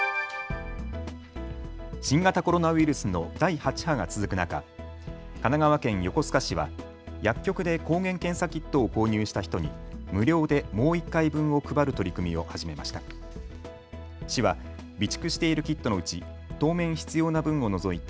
新型コロナウイルスの第８波が続く中、神奈川県横須賀市は薬局で抗原検査キットを購入した人に無料でもう１回分を配る取り組みを始めました。